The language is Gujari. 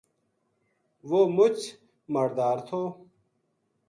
وہ مچ ماڑدار تھو